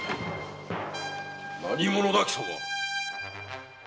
何者だ貴様⁉